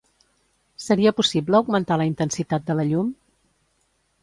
Seria possible augmentar la intensitat de la llum?